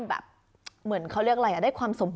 แบบเขาเรียกอะไรนะเนี่ย